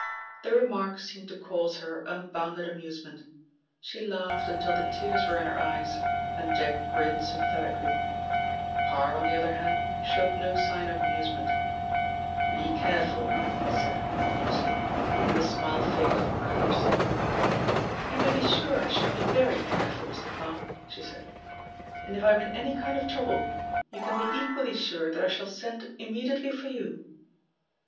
The remark seemed to cause her unbounded amusement. She laughed until the tears were in her eyes, and Jack grinned sympathetically. Parr, on the other hand, showed no sign of amusement. "Be careful," he said ominously, and the smile faded from her lips. "You may be sure I shall be very careful, Mr. Parr," she said, "and if I am in any kind of trouble, you can be equally sure that I shall send immediately for you!"